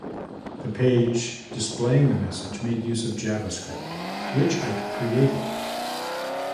The page displaying the message made use of javascript, which Eich created.